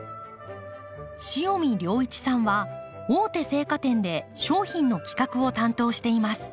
塩見亮一さんは大手生花店で商品の企画を担当しています。